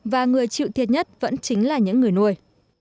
và người chịu thiệt nhất vẫn chính là những người nuôi